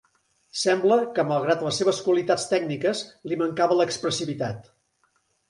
Sembla, que malgrat les seves qualitats tècniques, li mancava l'expressivitat.